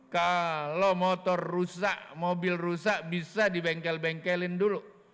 kalau motor rusak mobil rusak bisa dibengkel bengkelin dulu